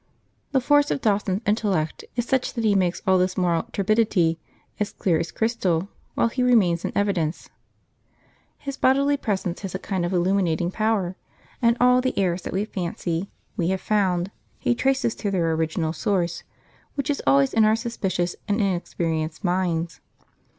The force of Dawson's intellect is such that he makes all this moral turbidity as clear as crystal while he remains in evidence. His bodily presence has a kind of illuminating power, and all the errors that we fancy we have found he traces to their original source, which is always in our suspicious and inexperienced minds.